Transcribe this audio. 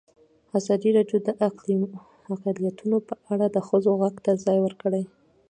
ازادي راډیو د اقلیتونه په اړه د ښځو غږ ته ځای ورکړی.